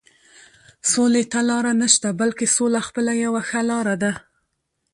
سولې ته لاره نشته، بلکې سوله خپله یوه ښه لاره ده.